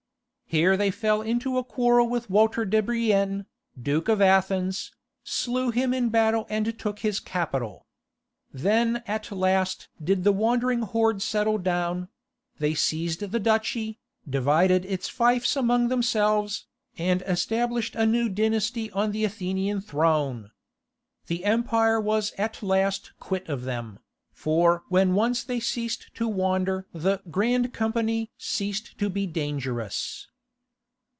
Here they fell into a quarrel with Walter de Brienne, Duke of Athens, slew him in battle and took his capital. Then at last did the wandering horde settle down; they seized the duchy, divided its fiefs among themselves, and established a new dynasty on the Athenian throne. The empire was at last quit of them, for when once they ceased to wander the "Grand Company" ceased to be dangerous.